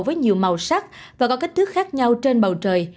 với nhiều màu sắc và có kích thước khác nhau trên bầu trời